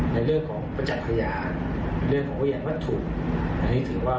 ในเรื่องของบัญญาณวัตถุ